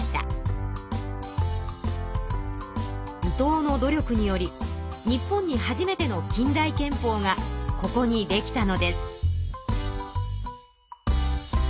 伊藤の努力により日本に初めての近代憲法がここにできたのです。